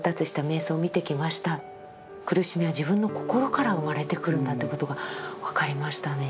苦しみは自分の心から生まれてくるんだということが分かりましたね。